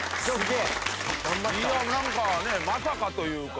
いやなんかねまさかというか。